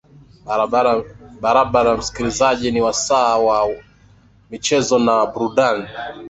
barabara msikilizaji ni wasaa wa rfi micheza na nurdin seleman